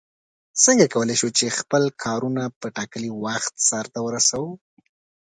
څنگه کولای شو چې خپل کارونه په ټاکلي وخت سرته ورسوو؟